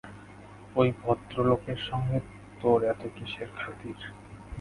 ঐ ভদ্রলোকের সঙ্গে তোর এত কিসের খাতির?